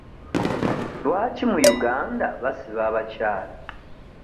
Lwaki mu Uganda basiba abakyala?